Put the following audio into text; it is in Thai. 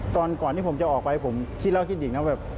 ตอนก่อนผมจะออกไปคิดแล้วคิดอีกนะ